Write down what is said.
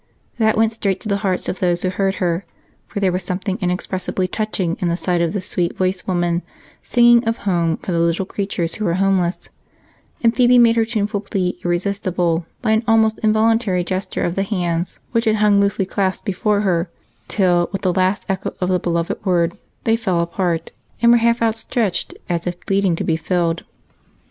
That went straight to the hearts of those who heard her, for there was something inexpressibly touching in the sight of this sweet voiced woman singing of home for the little creatures who were homeless, and Phebe made her tuneful plea irresistible by an almost involuntary gesture of the hands which had hung loosely clasped before her till, with the last echo of the beloved word, they fell apart and were half outstretched, as if pleading to be filled.